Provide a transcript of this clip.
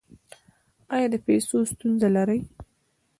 ایا د پیسو ستونزه لرئ؟